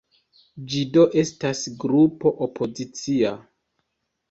Ĝi do estas grupo opozicia.